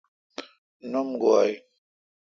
نوم گوا این۔